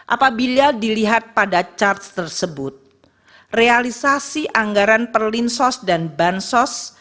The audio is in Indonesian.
apabila dilihat pada cat tersebut realisasi anggaran perlindungan sos dan bahan sos